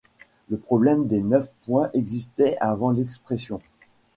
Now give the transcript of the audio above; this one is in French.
Le problème des neuf points existait avant l'expression.